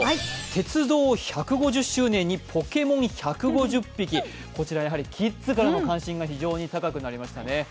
鉄道１５０周年にポケモン１５０匹、こちらやはりキッズからの関心が非常に高くなりましたね。